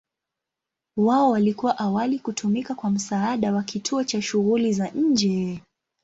Wao walikuwa awali kutumika kwa msaada wa kituo cha shughuli za nje.